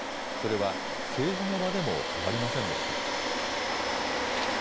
それは政治の場でも変わりませんでした。